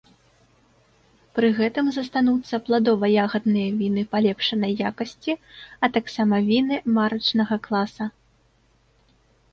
Пры гэтым застануцца пладова-ягадныя віны палепшанай якасці, а таксама віны марачнага класа.